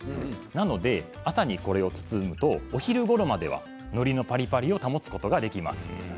なので朝にこれを包むとお昼ごろまではのりのパリパリを保つことができます。